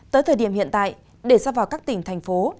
tới thời điểm hiện tại để ra vào các tỉnh thành phố